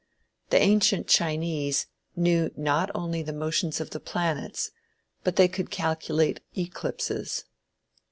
The ancient Chinese knew not only the motions of the planets, but they could calculate eclipses.